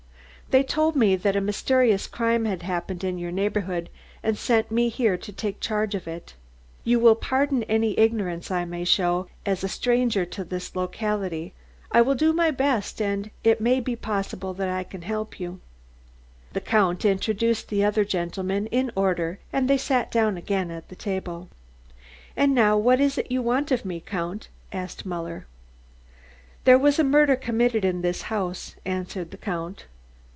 They told me that a mysterious crime had happened in your neighbourhood, and sent me here to take charge of it. You will pardon any ignorance I may show as a stranger to this locality. I will do my best and it may be possible that I can help you." The Count introduced the other gentlemen in order and they sat down again at the table. "And now what is it you want me for, Count?" asked Muller. "There was a murder committed in this house," answered the Count.